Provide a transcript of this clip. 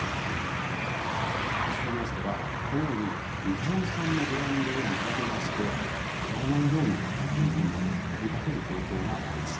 ＳＮＳでは、このように日本産のブランドを並べまして買わないようにというふうに呼びかける投稿があります。